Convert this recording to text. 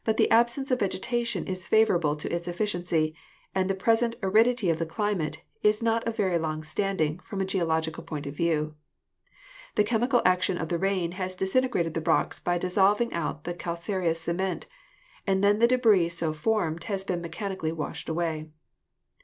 S. G. S.) the absence of vegetation is favorable to its efficiency, and the present aridity of the climate is not of very long stand ing from a geological point of view. The chemical action of the rain has disintegrated the rocks by dissolving out the calcareous cement, and then the debris so formed has been mechanically washed away.